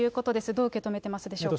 どう受け止めてますでしょうか。